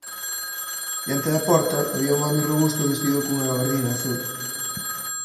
Diante da porta había un home robusto vestido cunha gabardina azul.